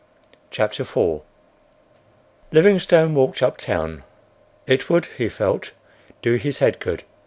CHAPTER IV Livingstone walked up town. It would, he felt, do his head good.